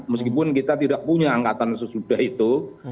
meskipun kita tidak punya angkatan sesudah itu